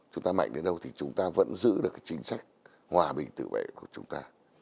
chúng ta mạnh đến đâu thì chúng ta vẫn giữ được cái chính sách hòa bình tự vệ của chúng ta